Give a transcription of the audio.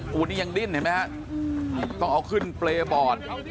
โอ้โหนี่ยังดิ้นเห็นไหมฮะต้องเอาขึ้นเปรย์บอร์ด